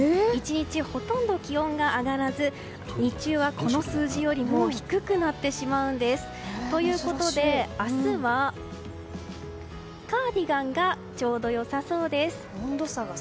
１日ほとんど気温が上がらず日中はこの数字よりも低くなってしまうんです。ということで明日はカーディガンがちょうど良さそうです。